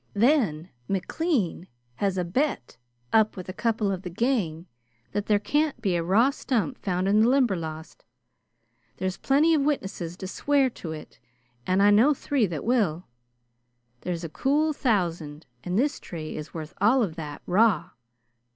Then McLean has a bet up with a couple of the gang that there can't be a raw stump found in the Limberlost. There's plenty of witnesses to swear to it, and I know three that will. There's a cool thousand, and this tree is worth all of that, raw.